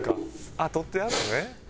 あっ取ってやるのね。